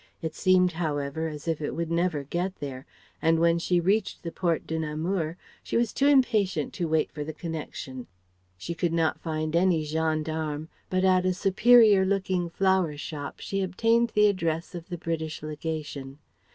It seemed however as if it would never get there, and when she reached the Porte de Namur she was too impatient to wait for the connection. She could not find any gendarme, but at a superior looking flower shop she obtained the address of the British Legation.